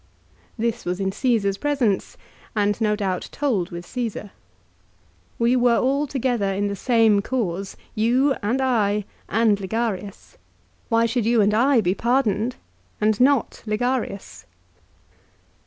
: This was in Caesar's presence, and no doubt told with Caesar. We were all to gether in the same cause, you, and I, and Ligarius. Why should you and I be pardoned and not Ligarius